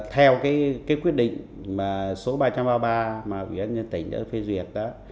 theo quyết định số ba trăm ba mươi ba mà ủy án nhân tỉnh đã phê duyệt đó